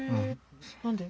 何で？